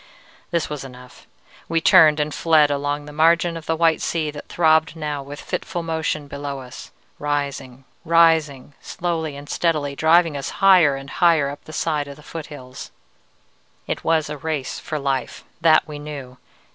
"This was enough: we turned and fled along the margin of the white sea that throbbed now with fitful motion below us, rising, rising, slowly and steadily, driving us higher and higher up the side of the foothills. "It was a race for life; that we knew.